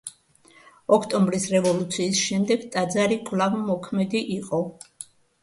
ოქტომბრის რევოლუციის შემდეგ ტაძარი კვლავ მოქმედი იყო.